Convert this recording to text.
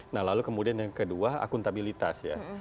nah lalu kemudian yang kedua akuntabilitas ya